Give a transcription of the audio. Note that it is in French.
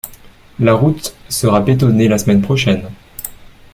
la route sera bétonné la semaine prochaine